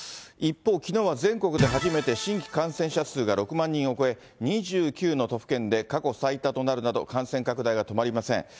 一方、きのうは全国で初めて新規感染者数が６万人を超え、２９の都府県で過去最多となるなど、感染拡大が止まりません。